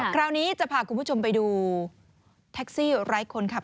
คราวนี้จะพาคุณผู้ชมไปดูแท็กซี่ไร้คนขับ